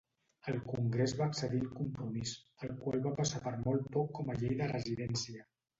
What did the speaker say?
El congrés va accedir al compromís, el qual va passar per molt poc com a Llei de Residència.